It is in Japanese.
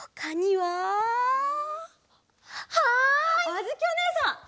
あづきおねえさん！